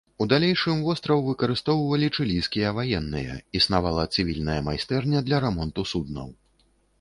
У далейшым востраў выкарыстоўвалі чылійскія ваенныя, існавала цывільная майстэрня для рамонту суднаў.